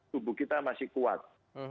tubuh kita masih kuat